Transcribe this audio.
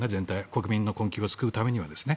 国民の困窮を救うためには。